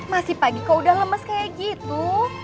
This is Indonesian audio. masih pagi kok udah lemes kayak gitu